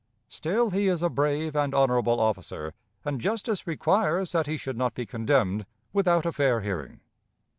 Still he is a brave and honorable officer, and justice requires that he should not be condemned without a fair hearing.